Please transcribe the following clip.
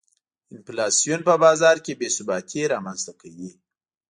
انفلاسیون په بازار کې بې ثباتي رامنځته کوي.